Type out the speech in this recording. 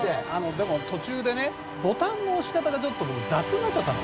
でも途中でねボタンの押し方がちょっと雑になっちゃったの。